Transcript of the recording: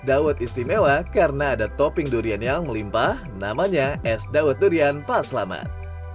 dawet istimewa karena ada topping durian yang melimpah namanya es dawet durian paselamat